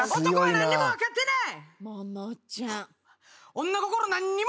何にも分かってない。